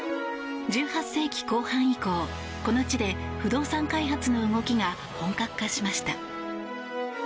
１８世紀後半以降、この地で不動産開発の動きが本格化しました。